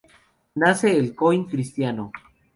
Nace el Coín cristiano.